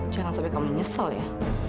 jangan sampai kamu nyesel ya